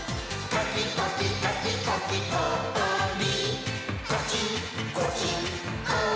「カキコキカキコキこ・お・り」